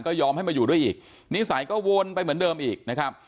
ก็ยอมให้มาอยู่ด้วยอีกนิสัยก็วนไปเหมือนเดิมอีกนะครับ